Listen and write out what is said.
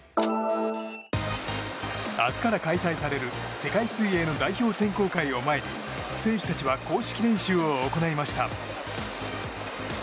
明日から開催される世界水泳の代表選考会を前に選手たちは公式練習を行いました。